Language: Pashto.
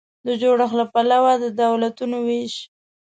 د جوړښت له پلوه د دولتونو وېش